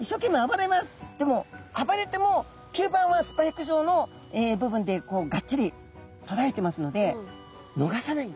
でも暴れても吸盤はスパイク状の部分でがっちりとらえてますので逃さないんですね。